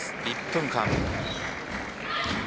１分間。